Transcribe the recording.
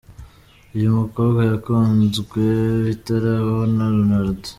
Uyu mukobwa yakunzwe bitarabaho na Ronaldo.